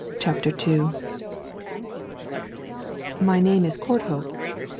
CHAPTER II 'My name is Courthope.'